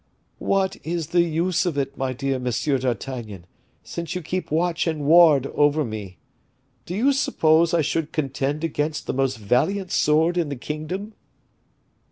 "What is the use of it, dear Monsieur d'Artagnan, since you keep watch and ward over me? Do you suppose I should contend against the most valiant sword in the kingdom?"